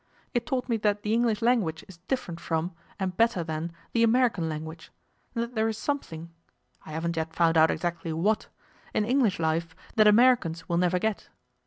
It taught me that the English language is different from, and better than, the American language, and that there is something I haven't yet found out exactly what in English life that Americans will never get.